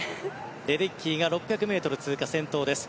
レデッキーが６００ｍ通過、先頭です。